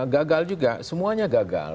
gagal juga semuanya gagal